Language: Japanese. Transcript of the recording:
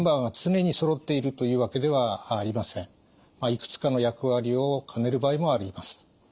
いくつかの役割を兼ねる場合もあります。